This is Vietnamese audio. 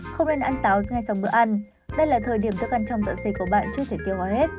không nên ăn táo ngay sau bữa ăn đây là thời điểm thức ăn trong dạng giày của bạn chưa thể tiêu hóa hết